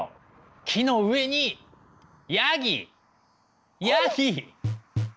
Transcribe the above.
木の上にヤギヤギ！